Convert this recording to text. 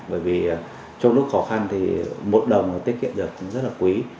bởi vì trong lúc khó khăn một đồng tiết kiệm rất quý